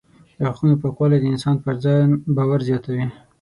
د غاښونو پاکوالی د انسان پر ځان باور زیاتوي.